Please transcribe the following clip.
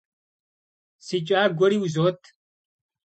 Си кӀагуэри узот.